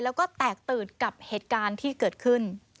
แล้วก็แตกตื่นกับเหตุการณ์ที่เกิดขึ้น